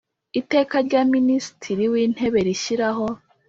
Iteka rya Minisitiri w Intebe rishyiraho